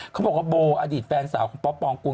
เขาบอกว่าโบอดีตแฟนสาวของป๊อปปองกูล